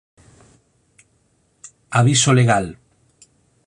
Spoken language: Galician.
Aviso legal